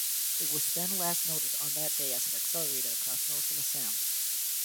It was then last noted on that day as it accelerated across northern Assam.